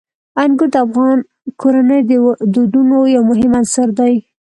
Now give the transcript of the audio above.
انګور د افغان کورنیو د دودونو یو مهم عنصر دی.